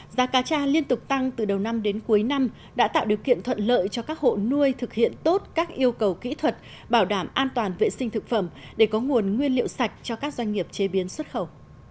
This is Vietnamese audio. giá cá tra liên tục tăng từ đầu năm đến cuối năm đã tạo điều kiện thuận lợi cho các hộ nuôi thực hiện tốt các yêu cầu kỹ thuật bảo đảm an toàn vệ sinh thực phẩm để có nguồn nguyên liệu sạch cho các doanh nghiệp chế biến xuất khẩu